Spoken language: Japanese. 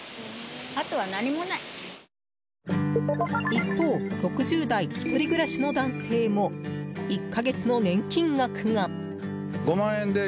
一方６０代、１人暮らしの男性も１か月の年金額が。